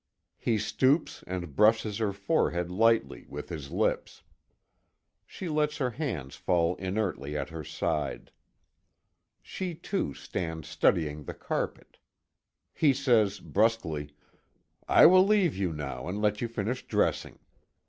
He stoops and brushes her forehead lightly, with his lips. She lets her hands fall inertly at her side. She, too, stands studying the carpet. He says, brusquely: "I will leave you now and let you finish dressing.